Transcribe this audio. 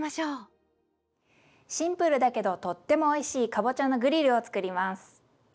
シンプルだけどとってもおいしいかぼちゃのグリルを作ります。